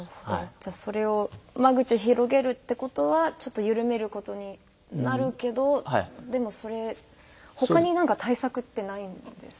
じゃあそれを間口を広げるってことはちょっと緩めることになるけどでもそれ他に何か対策ってないんですか？